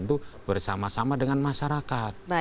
itu bersama sama dengan masyarakat